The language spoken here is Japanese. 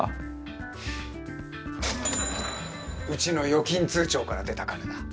うちの預金通帳から出た金だ。